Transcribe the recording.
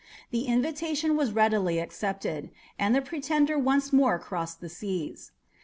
The invitation was readily accepted, and the pretender once more crossed the seas.